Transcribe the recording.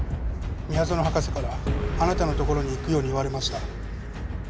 みやぞの博士からあなたのところに行くように言われました。